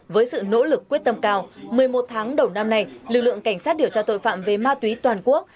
với sự nỗ lực quyết tâm cao một mươi một tháng đầu năm này lực lượng cảnh sát điều tra tội phạm về ma túy toàn quốc